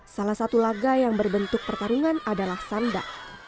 salah satu laga yang berbentuk pertarungan adalah sanda